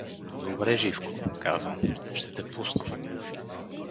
— Добре, Живко — казвам, — ще те пусна.